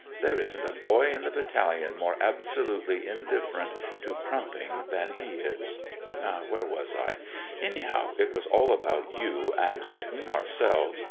Thpre isn't a boy in the Battalion more absolutely indifferent to crumping than he is. Where was I ? Anyhow, it was all about you, and between ourselves 146 NEWS FOR HOME O.C.